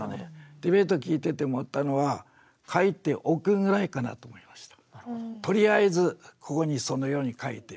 ディベート聞いてて思ったのは「書いておく」ぐらいかなと思いました。